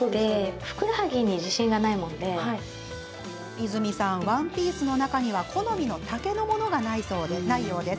和泉さん、ワンピースの中に好みの丈のものがないようです。